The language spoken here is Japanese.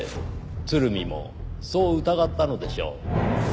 鶴見もそう疑ったのでしょう。